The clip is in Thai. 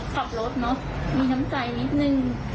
ขับรถมีทั้งใจนิดนึง